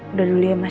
udah dulu ya mas